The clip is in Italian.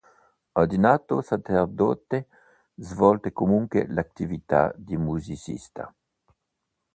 Ordinato sacerdote, svolse comunque l'attività di musicista.